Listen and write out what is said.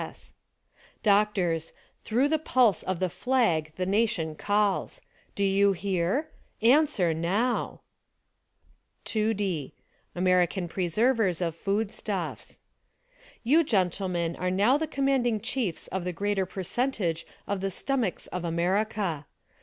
S. S. Doctors: Through the pulse of the flag the nation calls. Do you hear? Answer Now ! 32 SPY PROOF AMERICA 2D. American Preservers of Foodstuffs. You, gentlemen, are now the commanding chiefs of the greater percentage of the stomachs of Am.erica.